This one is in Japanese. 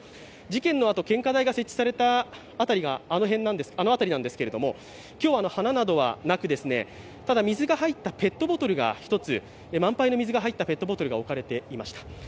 事件のあと献花台が設置された辺りが、あの辺りなんですけど今日は花などはなく、ただ水が入ったペットボトルが１つ、満杯の水が入ったペットボトルが置かれていました。